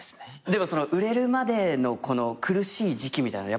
でも売れるまでの苦しい時期